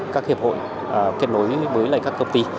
các hiệp hội kết nối với các công ty